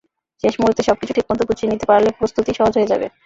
শেষ মুহূর্তে সবকিছু ঠিকমতো গুছিয়ে নিতে পারলে প্রস্তুতি সহজ হয়ে যাবে।